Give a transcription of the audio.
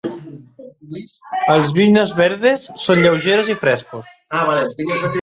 Els "vinhos verdes" són lleugeres i frescos.